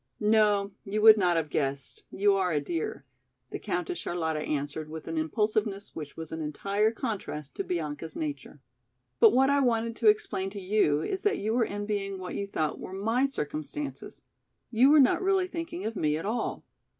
"No, you would not have guessed, you are a dear," the Countess Charlotta answered with an impulsiveness which was an entire contrast to Bianca's nature. "But what I wanted to explain to you is that you were envying what you thought were my circumstances. You were not really thinking of me at all.